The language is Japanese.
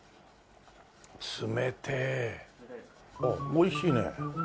おいしいね。